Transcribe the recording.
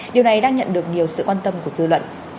điều này đang nhận được nhiều sự quan tâm của dư luận